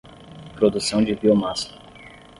Produção de biomassa